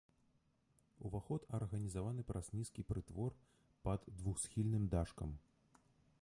Уваход арганізаваны праз нізкі прытвор пад двухсхільным дашкам.